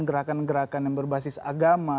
gerakan gerakan yang berbasis agama